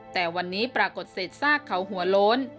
แต่วันนี้ปรากฏเศษซากเขาหัวโล้น